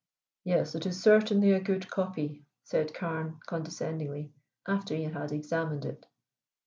"Yes, it is certainly a good copy," said Carne condescendingly, after he had examined it.